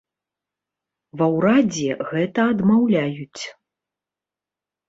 Ва ўрадзе гэта адмаўляюць.